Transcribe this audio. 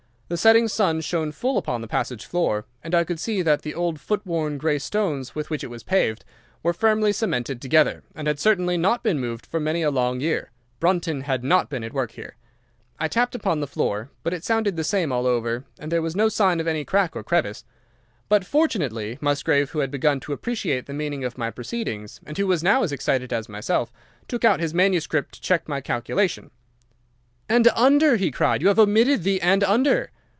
The setting sun shone full upon the passage floor, and I could see that the old, foot worn grey stones with which it was paved were firmly cemented together, and had certainly not been moved for many a long year. Brunton had not been at work here. I tapped upon the floor, but it sounded the same all over, and there was no sign of any crack or crevice. But, fortunately, Musgrave, who had begun to appreciate the meaning of my proceedings, and who was now as excited as myself, took out his manuscript to check my calculation. "'And under,' he cried. 'You have omitted the "and under."